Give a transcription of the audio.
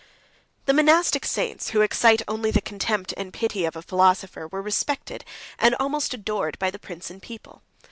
] The monastic saints, who excite only the contempt and pity of a philosopher, were respected, and almost adored, by the prince and people.